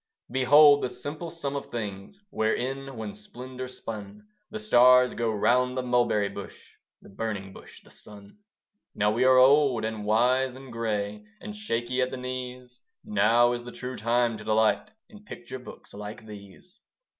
Behold the simple sum of things, Where, in one splendour spun, The stars go round the Mulberry Bush, The Burning Bush, the Sun. Now we are old and wise and grey, And shaky at the knees; Now is the true time to delight In picture books like these.